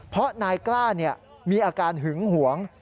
เพราะนายกล้ามีอาการหึงหวง